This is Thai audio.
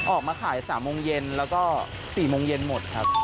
ออกมาขาย๓โมงเย็นแล้วก็๔โมงเย็นหมดครับ